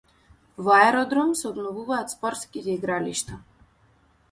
Во Аеродром се обновуваат спортските игралишта